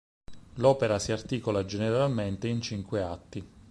L'opera si articola generalmente in cinque atti.